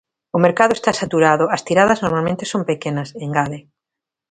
"O mercado está saturado, as tiradas normalmente son pequenas", engade.